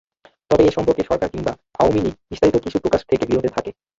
তবে এ সম্পর্কে সরকার কিংবা আওয়ামী লীগ বিস্তারিত কিছু প্রকাশ থেকে বিরত থাকে।